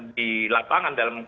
di lapangan dalam